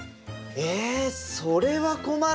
えっそれは困るな。